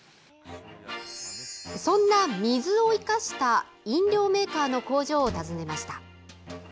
そんな水を生かした飲料メーカーの工場を訪ねました。